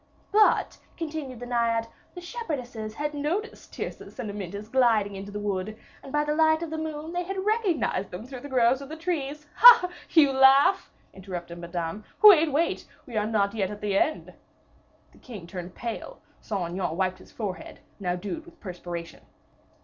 "'But,' continued the Naiad, 'the shepherdesses had noticed Tyrcis and Amyntas gliding into the wood, and, by the light of the moon, they had recognized them through the grove of the trees.' Ah, you laugh!" interrupted Madame; "wait, wait, you are not yet at the end." The king turned pale; Saint Aignan wiped his forehead, now dewed with perspiration.